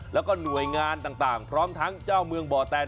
แล้วก็หน่วยงานต่างพร้อมทั้งเจ้าเมืองบ่อแตน